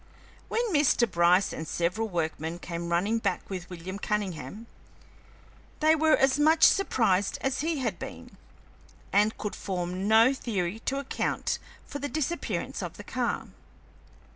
When Mr. Bryce and several workmen came running back with William Cunningham, they were as much surprised as he had been, and could form no theory to account for the disappearance of the car.